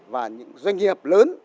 và những doanh nghiệp lớn